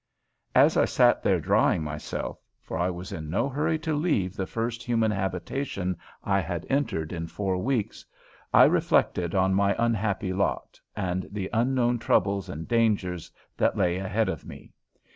As I sat there drying myself for I was in no hurry to leave the first human habitation I had entered in four weeks I reflected on my unhappy lot and the unknown troubles and dangers that lay ahead of me.